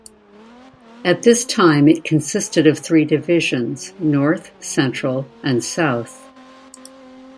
At this time it consisted of three divisions: North, Central and South.